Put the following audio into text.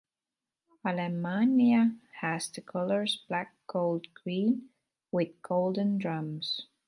Alemannia has the colors "black-gold-green" with golden drums.